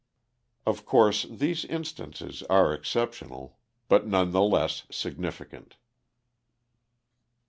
Of course these instances are exceptional, but none the less significant.